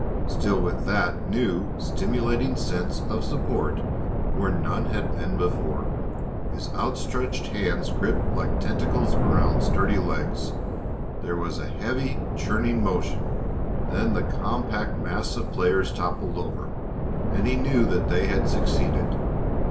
Still with that new, stimulating sense of support where none had been before, his outstretched hands gripped like tentacles around sturdy legs. There was a heaving, churning motion; then the compact mass of players toppled over, and he knew that they had succeeded.